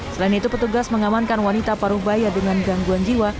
selain itu petugas mengamankan wanita parubaya dengan gangguan jiwa